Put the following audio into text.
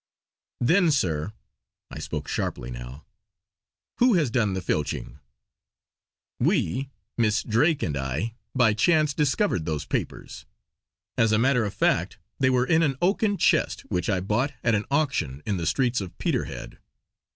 "Then sir," I spoke sharply now, "who has done the filching? We Miss Drake and I by chance discovered those papers. As a matter of fact they were in an oaken chest which I bought at an auction in the streets of Peterhead.